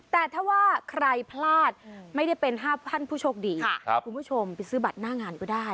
แต่ถ้าว่าใครพลาดไม่ได้เป็น๕ท่านผู้โชคดีคุณผู้ชมไปซื้อบัตรหน้างานก็ได้